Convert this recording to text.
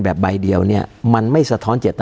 การแสดงความคิดเห็น